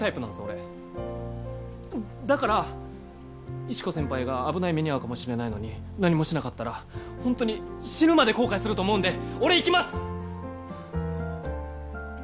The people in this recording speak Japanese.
俺だから石子先輩が危ない目に遭うかもしれないのに何もしなかったらホントに死ぬまで後悔すると思うんで俺行きます！